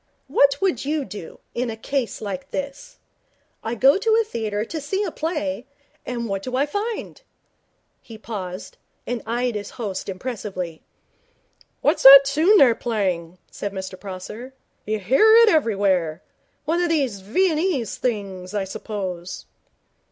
What would you do in a case like this? I go to a theatre to see a play, and what do I find?' He paused, and eyed his host impressively. 'What's that tune they're playing?' said Mr Prosser. 'You hear it everywhere. One of these Viennese things, I suppose.'